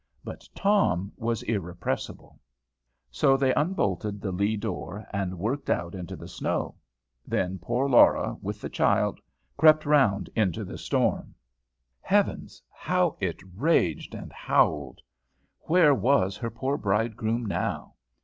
But Tom was irrepressible. So they unbolted the lee door, and worked out into the snow. Then poor Laura, with the child, crept round into the storm. Heavens! how it raged and howled! Where was her poor bridegroom now?